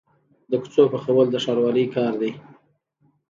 د کوڅو پخول د ښاروالۍ کار دی